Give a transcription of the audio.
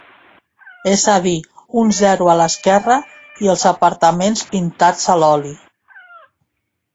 És a dir, un zero a l'esquerra, i els apartaments pintats a l'oli.